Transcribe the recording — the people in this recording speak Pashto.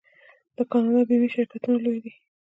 د کاناډا بیمې شرکتونه لوی دي.